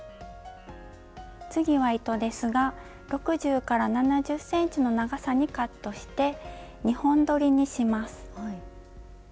次は糸ですが６０７０ｃｍの長さにカットして２本どりにします。